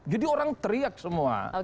jadi orang teriak semua